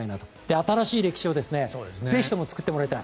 新しい歴史をぜひとも作ってもらいたい。